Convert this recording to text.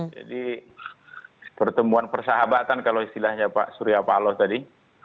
jadi pertemuan persahabatan kalau istilahnya pak surya palo tadi